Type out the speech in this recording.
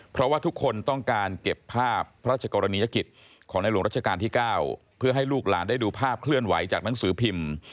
เพราะว่าทุกคนต้องการเก็บภาพพระราชกรณียกิจของในหลวงรัชกาลที่๙เพื่อให้ลูกหลานได้ดูภาพเคลื่อนไหวจากหนังสือพิมพ์